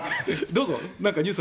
どうぞ。